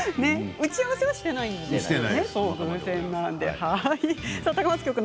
打ち合わせはしていませんでしたね。